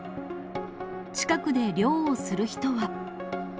近くで漁をする人は。